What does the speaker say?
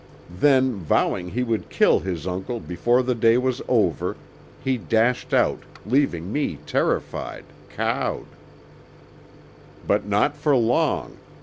Then vowing he would kill his uncle before the day was over, he dashed out, leaving me terrified, cowed. "But not for long.